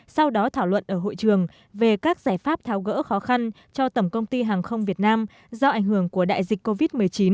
sau đó thảo luận ở hội trường về các giải pháp tháo gỡ khó khăn cho tổng công ty hàng không việt nam do ảnh hưởng của đại dịch covid một mươi chín